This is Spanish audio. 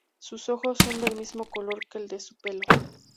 Sus ojos son del mismo color que el de su pelo.